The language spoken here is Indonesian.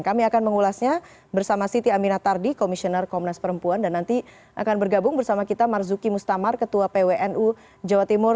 kami akan mengulasnya bersama siti aminah tardi komisioner komnas perempuan dan nanti akan bergabung bersama kita marzuki mustamar ketua pwnu jawa timur